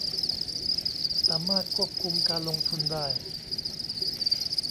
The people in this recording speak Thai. สามารถควบคุมการลงทุนได้